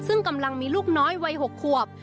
ซึ่งกำลังมีลูกน้อยวัย๖ขวบ